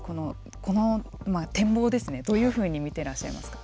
この展望ですねどういうふうに見てらっしゃいますか。